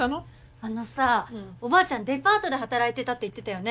あのさおばあちゃんデパートで働いてたって言ってたよね？